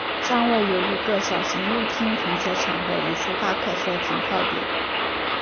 站外有一个小型露天停车场和一处大客车停靠点。